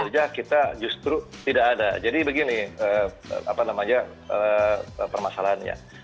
kerja kita justru tidak ada jadi begini apa namanya permasalahannya